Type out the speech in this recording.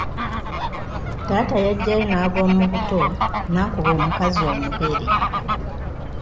Taata yaggyayo n’ag’omubuto n’akuba omukazi omugere.